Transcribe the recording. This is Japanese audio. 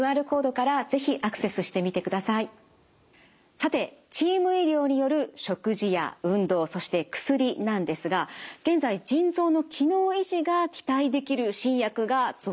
さてチーム医療による食事や運動そして薬なんですが現在腎臓の機能維持が期待できる新薬が続々と登場してきているんです。